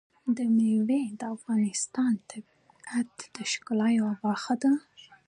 مېوې د افغانستان د طبیعت د ښکلا یوه مهمه برخه ده.